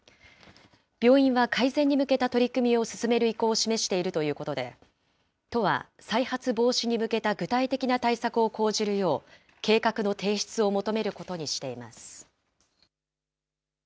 病院は改善に向けた取り組みを進める意向を示しているということで、都は再発防止に向けた具体的な対策を講じるよう、計画の提出を求めることにしています。